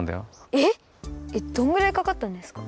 えっどんぐらいかかったんですか？